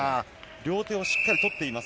両手をしっかり取っています。